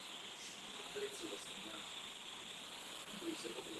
Sídlo společnosti je v Paříži.